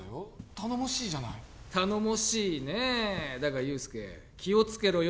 頼もしいじゃない頼もしいねえだが憂助気をつけろよ